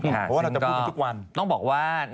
เพราะว่าเราจะพูดกันทุกวัน